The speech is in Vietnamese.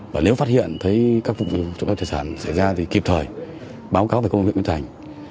và nếu phát hiện thấy các vụ trộm cắp tài sản xảy ra thì kịp thời báo cáo về công an huyện yên thành